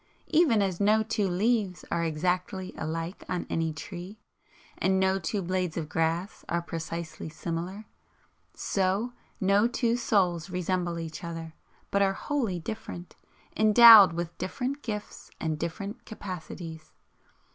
Even as no two leaves are exactly alike on any tree, and no two blades of grass are precisely similar, so no two souls resemble each other, but are wholly different, endowed with different gifts and different capacities.